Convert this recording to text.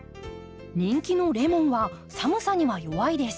人気のレモンは寒さには弱いです。